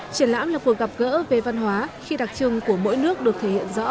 triển lãm là cuộc gặp gỡ về văn hóa khi đặc trưng của mỗi nước được thể hiện rõ